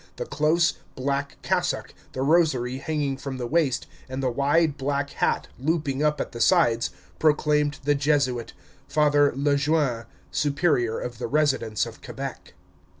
The close, black cassock, the rosary hanging from the waist, and the wide, black hat, looped up at the sides, proclaimed the Jesuit, Father Le Jeune, Superior of the Residence of Quebec.